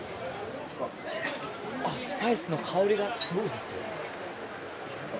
あっスパイスの香りがすごいですよ。